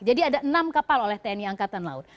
jadi ada enam kapal oleh tni angkatan laut